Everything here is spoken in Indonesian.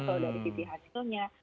kalau dari sisi hasilnya